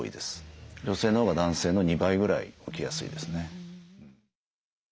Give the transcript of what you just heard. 女性のほうが男性の２倍ぐらい起きやすいですね。